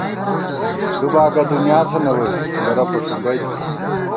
دُوباگہ دُنیا تھنہ ووئی، کرہ پݭُونگئی تِتہ